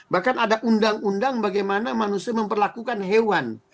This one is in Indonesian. bahkan ada undang undang bagaimana manusia memperlakukan hewan